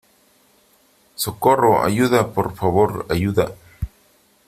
¡ socorro !¡ ayuda , por favor , ayuda !